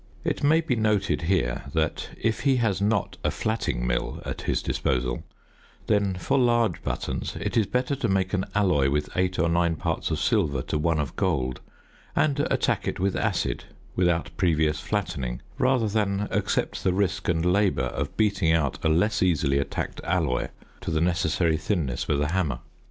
It may be noted here that if he has not a flatting mill at his disposal, then for large buttons it is better to make an alloy with eight or nine parts of silver to one of gold, and attack it with acid without previous flattening, rather than accept the risk and labour of beating out a less easily attacked alloy to the necessary thinness with a hammer.